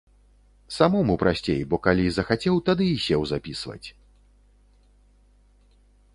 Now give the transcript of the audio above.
Самому прасцей, бо калі захацеў, тады і сеў запісваць.